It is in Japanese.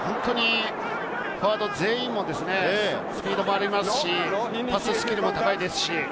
フォワード全員もスピードがありますし、パススキルも高いです。